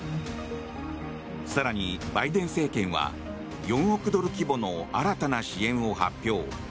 更に、バイデン政権は４億ドル規模の新たな支援を発表。